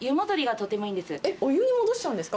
お湯に戻しちゃうんですか？